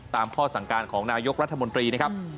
ข้อสั่งการของนายกรัฐมนตรีนะครับ